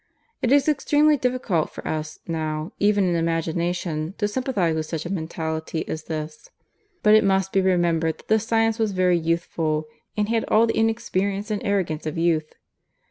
It is extremely difficult for us now, even in imagination, to sympathize with such a mentality as this; but it must be remembered that the science was very youthful, and had all the inexperience and the arrogance of youth.